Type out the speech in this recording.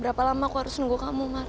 berapa lama aku harus nunggu kamu